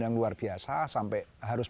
yang luar biasa sampai harus